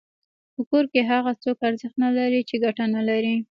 په کور کي هغه څوک ارزښت نلري چي ګټه نلري.